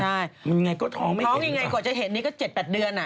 ท้องยังไงกว่าจะเห็นนึง๗๘เดือน